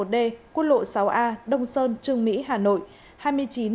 hai nghìn chín trăm một mươi một d quốc lộ sáu a đông sơn trường mỹ hà nội